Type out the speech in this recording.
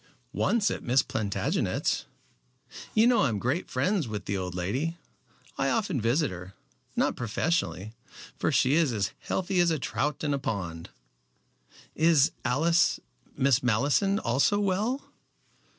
"Once at Miss Plantagenet's. You know I am great friends with the old lady. I often visit her, not professionally, for she is as healthy as a trout in a pond." "Is Alice Miss Malleson also well?"